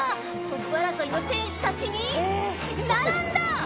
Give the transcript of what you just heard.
トップ争いの選手たちに並んだ！